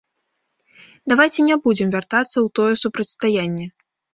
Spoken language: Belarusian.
Давайце не будзем вяртацца ў тое супрацьстаянне.